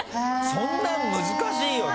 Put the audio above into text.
そんなん難しいよね。